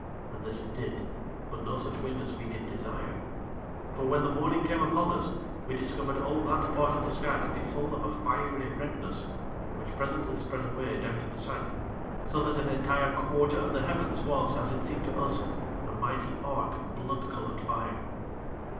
And this it did; but no such wind as we did desire; for when the morning came upon us, we discovered all that part of the sky to be full of a fiery redness, which presently spread away down to the South, so that an entire quarter of the heavens was, as it seemed to us, a mighty arc of blood colored fire.